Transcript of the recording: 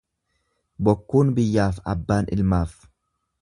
Bokkuun biyyaaf abbaan ilmaaf.